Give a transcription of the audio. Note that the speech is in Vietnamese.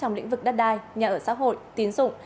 trong lĩnh vực đắt đai nhà ở xã hội tín dụng